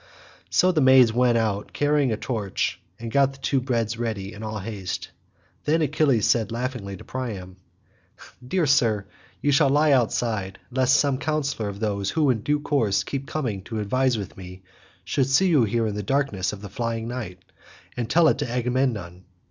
So the maids went out carrying a torch and got the two beds ready in all haste. Then Achilles said laughingly to Priam, "Dear sir, you shall lie outside, lest some counsellor of those who in due course keep coming to advise with me should see you here in the darkness of the flying night, and tell it to Agamemnon.